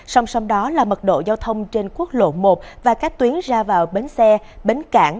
song song đó là mật độ giao thông trên quốc lộ một và các tuyến ra vào bến xe bến cảng